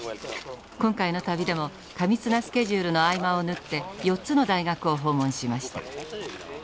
今回の旅でも過密なスケジュールの合間を縫って４つの大学を訪問しました。